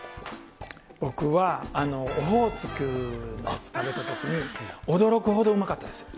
僕はオホーツクのやつ、食べたときに、驚くほどうまかったです。